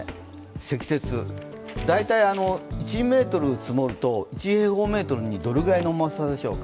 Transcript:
積雪、大体１ｍ積もると、１平方メートルにどれぐらいの重さでしょうか。